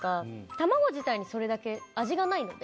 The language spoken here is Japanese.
卵自体にそれだけ味がないので。